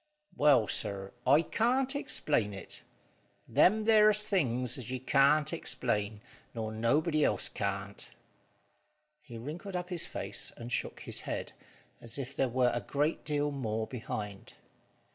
"Well, sir, I can't explain it. Them there's things as you can't explain, nor nobody else can't." He wrinkled up his face and shook his head, as if there were a great deal more behind.